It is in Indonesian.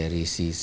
hal itu mirip dulu